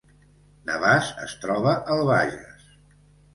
Navàs es troba al Bages